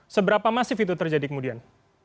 seberapa masif itu terjadi kemudian